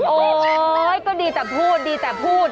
โอ๊ยก็ดีแต่พูดดีแต่พูด